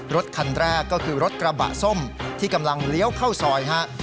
รถคันแรกก็คือรถกระบะส้มที่กำลังเลี้ยวเข้าซอยฮะ